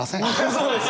そうです！